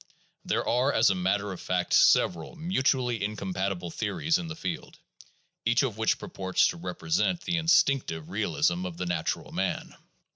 There are, as a matter of fact, several mutually incompatible theories in the field, each of which purports to represent the instinc tive realism of the natural man.